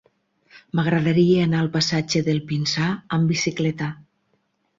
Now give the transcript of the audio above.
M'agradaria anar al passatge del Pinsà amb bicicleta.